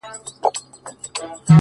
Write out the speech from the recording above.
موږ څلور واړه د ژړا تر سـترگو بـد ايـسو’